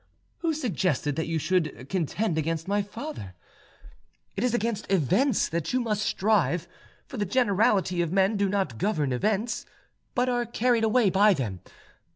"Who suggested that you should contend against my father? It is against events that you must strive; for the generality of men do not govern events, but are carried away by them.